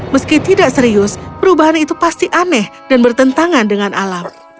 meski tidak serius perubahan itu pasti aneh dan bertentangan dengan alam